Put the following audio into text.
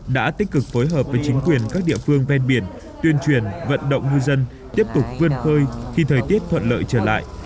đã tích cực phối hợp với chính quyền các địa phương ven biển tuyên truyền vận động ngư dân tiếp tục vươn khơi khi thời tiết thuận lợi trở lại